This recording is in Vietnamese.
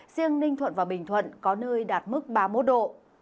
riêng ninh thuận và bình thuận có nơi đạt mức ba mươi một độ